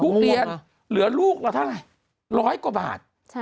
ทุเรียนเหลือลูกเราท้ายล้อยกว่าบาท